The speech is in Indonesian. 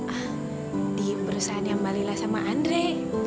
ah di perusahaan yang melila sama andri